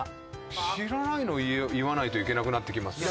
知らないのを言わないといけなくなってきますよね。